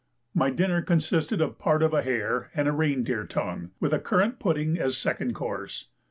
My dinner consisted of part of a hare and rein deer tongue, with a currant pudding as second course.